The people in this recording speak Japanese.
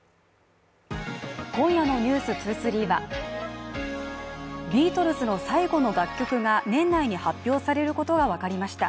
今夜の「ｎｅｗｓ２３」はビートルズの最後の楽曲が年内に発表されることがわかりました。